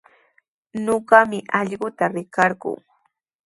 Ñuqami allquta rikarquu.